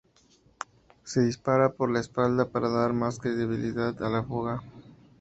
Se disparaba por la espalda para dar más credibilidad a la fuga.